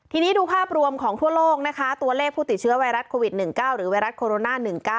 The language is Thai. ทีนี้ดูภาพรวมของทั่วโลกนะคะตัวเลขผู้ติดเชื้อไวรัสโควิด๑๙หรือไวรัสโคโรนา๑๙